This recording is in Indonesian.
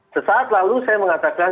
sesaat lalu saya mengatakan